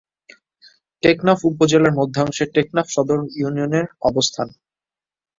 টেকনাফ উপজেলার মধ্যাংশে টেকনাফ সদর ইউনিয়নের অবস্থান।